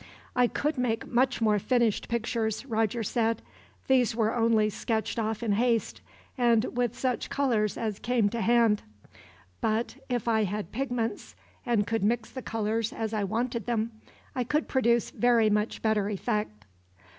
"I could make much more finished pictures," Roger said. "These were only sketched off in haste, and with such colors as came to hand; but if I had pigments, and could mix the colors as I wanted them, I could produce very much better effect."